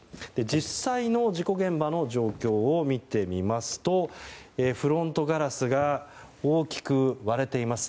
実際の事故現場の状況を見てみますとフロントガラスが大きく割れています。